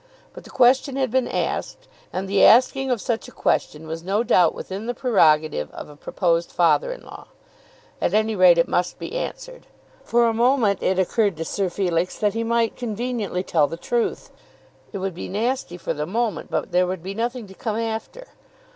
But the question had been asked, and the asking of such a question was no doubt within the prerogative of a proposed father in law. At any rate, it must be answered. For a moment it occurred to Sir Felix that he might conveniently tell the truth. It would be nasty for the moment, but there would be nothing to come after.